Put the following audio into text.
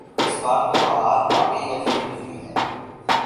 اس بار تو بہار واقعی عجیب گزری ہے۔